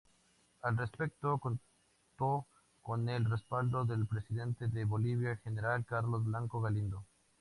Al respecto, contó con el respaldo del presidente de Bolivia, general Carlos Blanco Galindo.